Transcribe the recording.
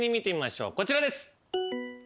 こちらです。